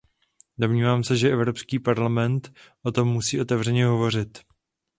Domnívám se, že Evropský parlament o tom musí otevřeně hovořit.